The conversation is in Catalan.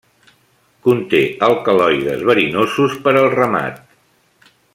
Conté alcaloides verinosos per al ramat.